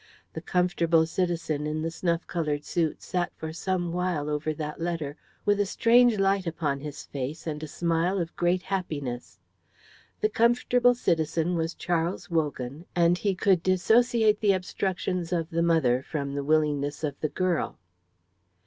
The comfortable citizen in the snuff coloured suit sat for some while over that letter with a strange light upon his face and a smile of great happiness. The comfortable citizen was Charles Wogan, and he could dissociate the obstructions of the mother from the willingness of the girl.